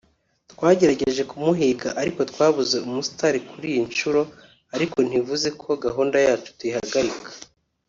twagerageje kumuhiga ariko twabuze umu star kuri iyi nshuro ariko ntibivuze ko gahunda yacu tuyihagarika